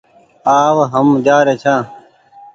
آ و هم جآ ري ڇآن ۔